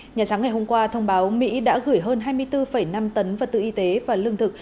nhà trắng ngày hôm qua thông báo mỹ đã gửi hơn hai mươi bốn năm tấn vật tự y tế và lương thực